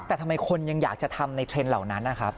แต่ทำไมคนยังอยากจะทำในเทรนด์เหล่านั้นนะครับ